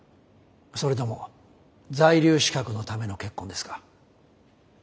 それとも在留資格のための結婚ですか？